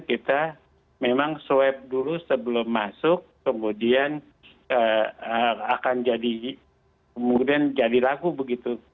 kita memang swab dulu sebelum masuk kemudian akan jadi kemudian jadi lagu begitu